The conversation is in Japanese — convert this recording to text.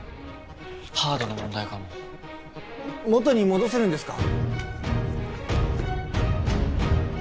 ハードの問題かも元に戻せるんですか？